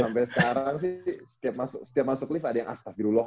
sampai sekarang sih setiap masuk lift ada yang astaghfirullah